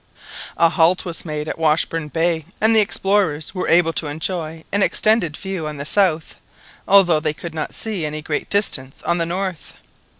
A halt was made at Washburn Bay, and the explorers were able to enjoy an extended view on the south, although they could not see any great distance on the north.